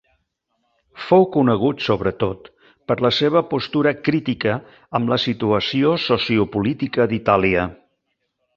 Fou conegut sobretot per la seva postura crítica amb la situació sociopolítica d'Itàlia.